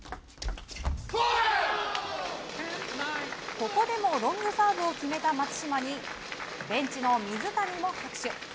ここでもロングサーブを決めた松島に、ベンチの水谷も拍手。